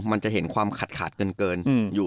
มันจะเห็นความขาดเกินอยู่